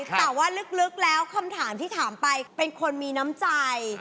แต่ว่าลึกแล้วคำถามที่ถามไปเป็นคนมีน้ำใจ